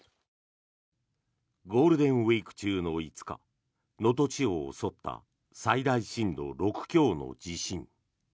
ゴールデンウィーク中の５日能登地方を襲った最大震度６強の地震。